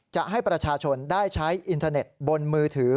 จะให้ประชาชนได้ใช้อินเทอร์เน็ตบนมือถือ